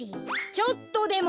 ちょっとでも！